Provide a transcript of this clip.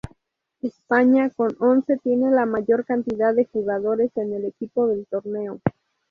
España, con once, tiene la mayor cantidad de jugadores en el equipo del torneo.